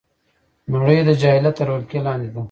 نړۍ د جاهلیت تر ولکې لاندې ده